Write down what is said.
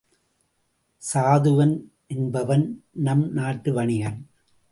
சாதுவன் என்பவன் நம் நாட்டு வணிகன்.